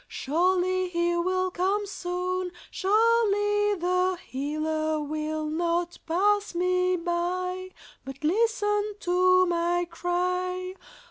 Surely He will come soon. Surely the Healer will not pass me by, But listen to my cry.